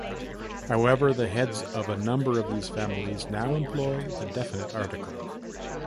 However, the heads of a number of these families now employ the definite article.